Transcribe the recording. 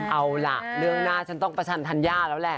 เอาล่ะเรื่องหน้าฉันต้องประชันธัญญาแล้วแหละ